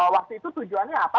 waktu itu tujuannya apa